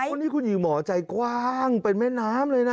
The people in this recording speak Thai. วันนี้คุณหญิงหมอใจกว้างเป็นแม่น้ำเลยนะ